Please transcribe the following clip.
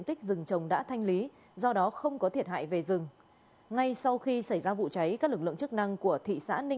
xin chào và hẹn gặp lại